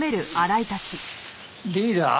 リーダー